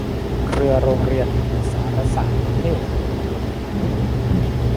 เครือโรงเรียนสารสาสน์วิเทศมีขนาดใหญ่